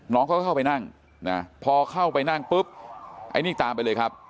น้องเขาก็เข้าไปนั่งนะพอเข้าไปนั่งปุ๊บไอ้นี่ตามไปเลยครับ